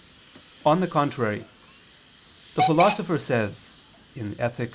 On the contrary, The Philosopher says (Ethic.